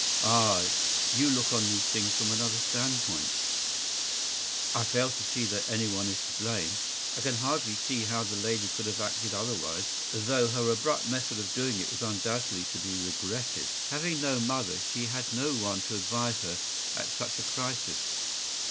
” “Ah, you look on these things from another stand point.” “I fail to see that any one is to blame. I can hardly see how the lady could have acted otherwise, though her abrupt method of doing it was undoubtedly to be regretted. Having no mother, she had no one to advise her at such a crisis.